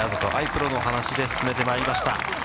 プロの話で進めてまいりました。